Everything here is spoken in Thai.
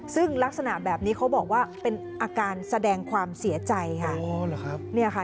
ซึ่งลักษณะแบบนี้เขาบอกว่าเป็นอาการแสดงความเสียใจค่ะ